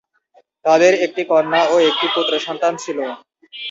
তাদের একটি কন্যা ও একটি পুত্রসন্তান ছিল।